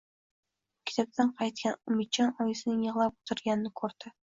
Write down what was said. Maktabdan qaytgan Umidjon oyisining yig`lab o`tirganini ko`rdi